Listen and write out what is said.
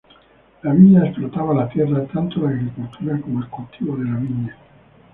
La villa explotaba la tierra, tanto la agricultura como el cultivo de la viña.